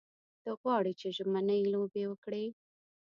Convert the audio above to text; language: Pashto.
ته غواړې چې ژمنۍ لوبې وکړې.